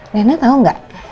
lena tau gak